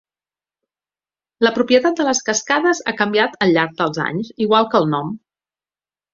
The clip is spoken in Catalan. La propietat de les cascades ha canviat al llarg dels anys, igual que el nom.